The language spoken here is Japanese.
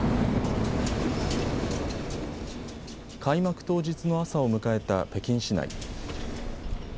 開幕当日の朝を迎えた北京市内。